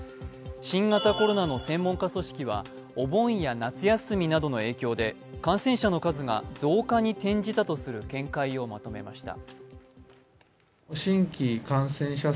新型コロナの専門家組織はお盆や夏休みなどの影響で感染者の数が増加に転じたとする見解をまとめました。